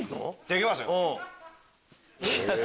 できますよ。